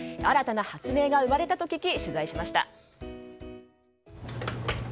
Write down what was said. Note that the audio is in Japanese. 新たな発明が生まれたと聞き取材しました。